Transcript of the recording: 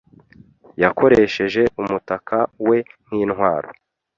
Yakoresheje umutaka we nk'intwaro.